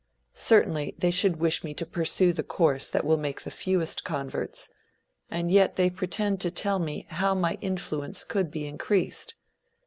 Certainly they should wish me to pursue the course that will make the fewest converts, and yet they pretend to tell me how my influence could be increased.